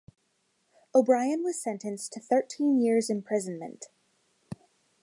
O'Brien was sentenced to thirteen years imprisonment.